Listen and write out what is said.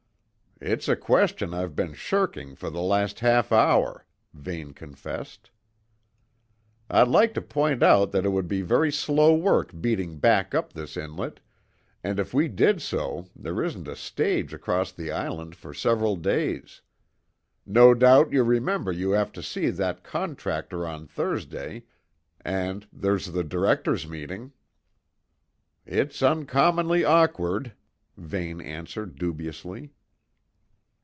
"It's a question I've been shirking for the last half hour," Vane confessed. "I'd like to point out that it would be very slow work beating back up this inlet, and if we did so there isn't a stage across the island for several days. No doubt you remember you have to see that contractor on Thursday, and there's the directors' meeting." "It's uncommonly awkward," Vane answered dubiously.